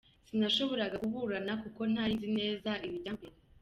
Sinashoboraga kuburana kuko ntari nzi neza ibijya mbere.